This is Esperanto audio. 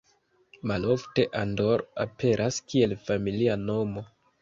Malofte Andor aperas kiel familia nomo.